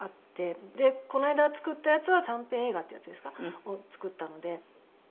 でこの間作ったやつは短編映画っていうやつですか？を作ったので。